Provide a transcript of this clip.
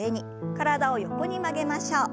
体を横に曲げましょう。